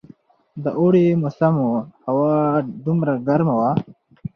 د اوړي موسم وو، هوا دومره ګرمه وه.